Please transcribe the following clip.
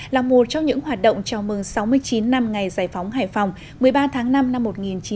là một trong những hoạt động chào mừng sáu mươi chín năm ngày giải phóng hải phòng một mươi ba tháng năm năm một nghìn chín trăm bảy mươi năm